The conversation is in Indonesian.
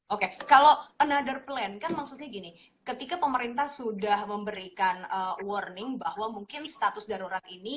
oke kalau another plan kan maksudnya gini ketika pemerintah sudah memberikan warning bahwa mungkin status darurat ini